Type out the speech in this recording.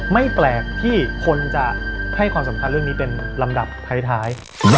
ไม่แปลกที่คนจะให้ความสำคัญเรื่องนี้เป็นลำดับท้าย